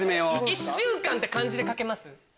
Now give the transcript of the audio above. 一週間って漢字で書けます？